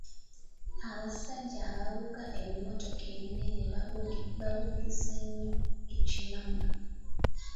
Abasajja abavuga ebimmotoka ebinene bavugisa nnyo ekimama.